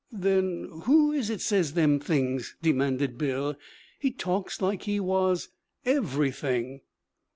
'Then who is it says them things?' demanded Bill. 'He talks like he was Everything.'